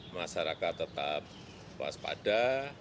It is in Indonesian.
masyarakat tetap waspada